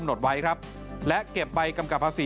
โทษภาพชาวนี้ก็จะได้ราคาใหม่